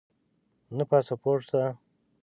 نه پاسپورټ شته